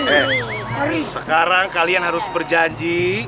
sekarang kalian harus berjanji